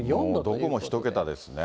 どこも１桁ですね。